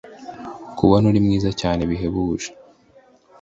Kubona uri mwiza cyane bihebuje